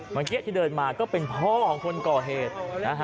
เมื่อกี้ที่เดินมาก็เป็นพ่อของคนก่อเหตุนะฮะ